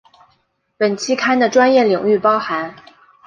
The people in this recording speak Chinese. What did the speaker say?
本期刊的专业领域包含